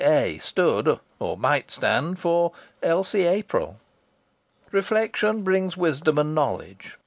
A. stood, or might stand, for Elsie April! Reflection brings wisdom and knowledge.